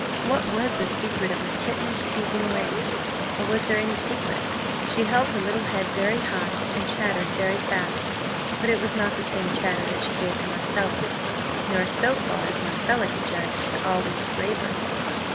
what was the secret of her kittenish, teasing ways or was there any secret? She held her little head very high and chattered very fast but it was not the same chatter that she gave to Marcella, nor, so far as Marcella could judge, to Aldous Raeburn.